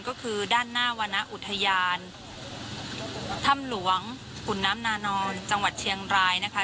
ก็คือด้านหน้าวรรณอุทยานถ้ำหลวงขุนน้ำนานอนจังหวัดเชียงรายนะคะ